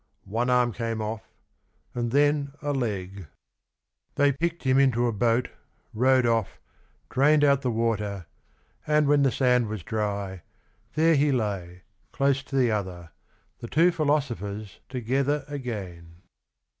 One arm came off, and then a leg. They picked him into a boat, row^ed off, drained out the water, and when the sand w^as dry, there he lay close to the other, the two philosophers together again.